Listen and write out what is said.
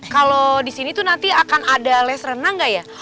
kalau di sini tuh nanti akan ada les renang gak ya